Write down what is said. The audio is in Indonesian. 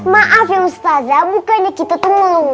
maaf ya ustazah bukannya kita tunggu